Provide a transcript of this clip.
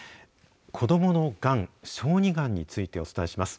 こどものがん、小児がんについてお伝えします。